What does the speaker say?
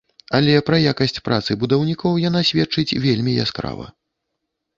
Але пра якасць працы будаўнікоў яна сведчыць вельмі яскрава.